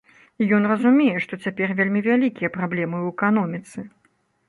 І ён разумее, што цяпер вельмі вялікія праблемы ў эканоміцы.